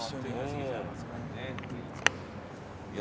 ぜひ作っていただきたい。